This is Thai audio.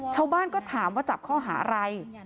ชาวบ้านก็ถามว่าจับข้อหาอะไร